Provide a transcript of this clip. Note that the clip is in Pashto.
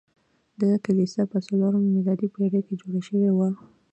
دا کلیسا په څلورمه میلادي پیړۍ کې جوړه شوې وه.